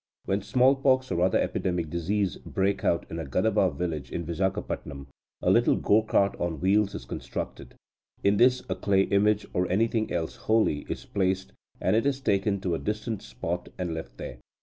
When smallpox or other epidemic disease breaks out in a Gadaba village in Vizagapatam, a little go cart on wheels is constructed. In this a clay image, or anything else holy, is placed, and it is taken to a distant spot, and left there.